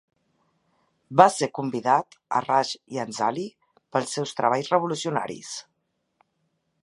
Va ser convidat a Rasht i Anzali pels seus treballs revolucionaris.